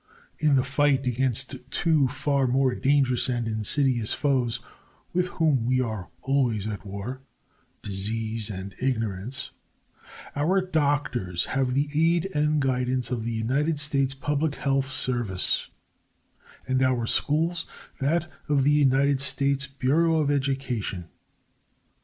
In the fight against two far more dangerous and insidious foes with whom we are always at war Disease and Ignorance our doctors have the aid and guidance of the United States Public Health Service and our schools that of the United States Bureau of Education.